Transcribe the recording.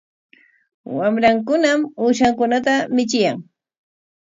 Wamrankunam uushankunata michiyan.